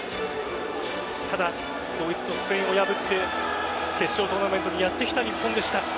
ただ、ドイツとスペインを破って決勝トーナメントにやってきた日本でした。